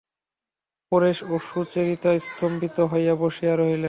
পরেশ ও সুচরিতা স্তম্ভিত হইয়া বসিয়া রহিলেন।